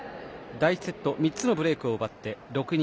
第１セット３つのブレークを奪って６−２。